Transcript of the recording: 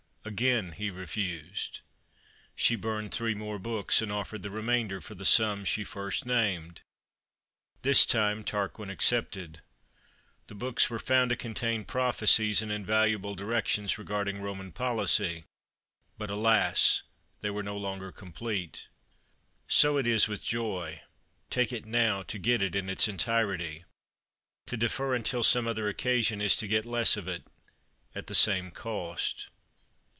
Again he refused. She burned three more books, and offered the remainder for the sum she first named. This time Tarquin accepted. The books were found to contain prophecies and invaluable directions regarding Roman policy, but alas, they were no longer complete. So it is with joy. To take it now is to get it in its entirety. To defer until some other occasion is to get less of it at the same cost.